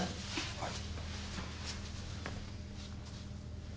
はい。